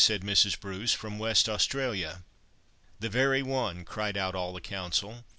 said Mrs. Bruce, "from West Australia?" "The very one," cried out all the council.